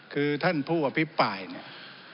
คือท่านผู้อภิปรายเนี่ย